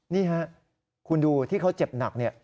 นี่ค่ะคุณดูที่เขาเจ็บหนักเนี่ย